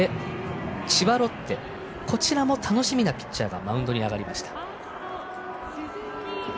そして、千葉ロッテこちらも楽しみなピッチャーがマウンドに上がりました。